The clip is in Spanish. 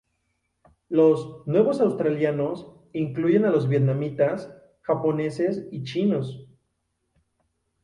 Los "nuevos Australianos" incluyen a los vietnamitas, japoneses y chinos.